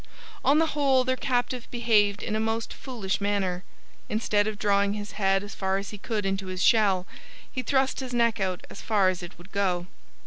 On the whole their captive behaved in a most foolish manner. Instead of drawing his head as far as he could into his shell, he thrust his neck out as far as it would go.